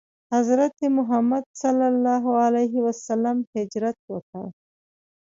حضرت محمد ﷺ هجرت وکړ.